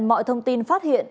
mọi thông tin phát hiện